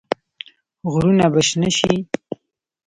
غرونه به شنه شي؟